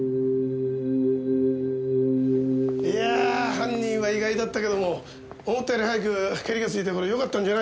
いや犯人は意外だったけども思ったより早くケリがついたからよかったんじゃないの？